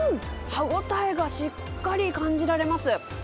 歯応えがしっかり感じられます。